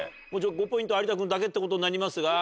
５ポイントは有田君だけってことになりますが。